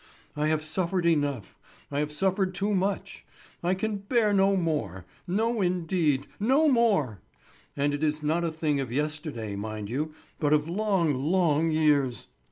I have suffered enough—I have suffered too much; I can bear no more, no indeed, no more! And it is not a thing of yesterday, mind you, but of long, long years.